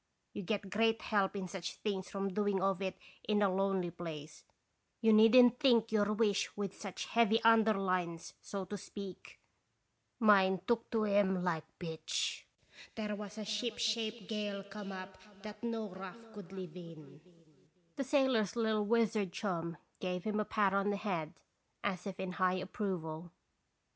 You get great help in such things from doing of it in a lonely place; you needn't think your wish with such heavy under lines, so to speak; mine took to 'em like pitch. '' There was a shipshape gale come up that no raft could live in /'' 21 (S>raci0ns Visitation. 187 The sailor's little wizard chum gave him a pat on the head, as if in high approval.